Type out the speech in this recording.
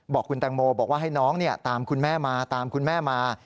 บอกคุณแตงโมให้น้องตามคุณแม่มา